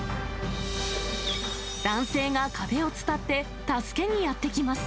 男性が壁を伝って、助けにやって来ます。